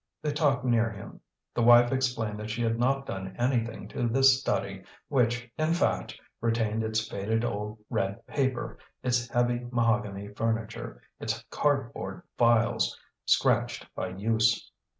They talked near him; his wife explained that she had not done anything to this study, which, in fact, retained its faded old red paper, its heavy mahogany furniture, its cardboard files, scratched by use.